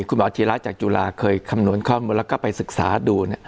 คุณหมอธีระจากจุฬาเคยคำนวณข้อมูลแล้วก็ไปศึกษาดู